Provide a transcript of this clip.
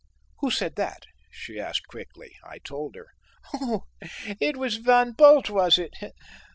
"Who said that?" she asked quickly. I told her. "Oh! it was Van Bult, was it?